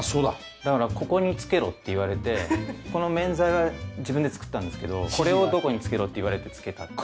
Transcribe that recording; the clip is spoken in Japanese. だからここに付けろって言われてこの面材は自分で作ったんですけどこれをどこに付けろって言われて付けた。